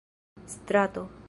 strato